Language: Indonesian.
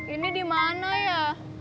ini dimana ya